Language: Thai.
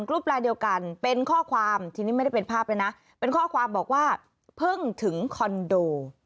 รูปลายเดียวกันเป็นข้อความทีนี้ไม่ได้เป็นภาพแล้วนะเป็นข้อความบอกว่าเพิ่งถึงคอนโด